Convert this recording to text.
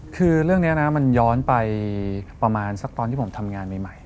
คือเรื่องนี้นะมันย้อนไปประมาณสักตอนที่ผมทำงานใหม่